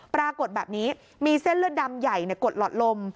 ปรากฏแบบนี้มีเส้นเลือดดำใหญ่กดหลอดลม